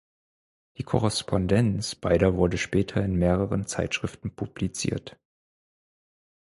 Die Korrespondenz beider wurde später in mehreren Zeitschriften publiziert.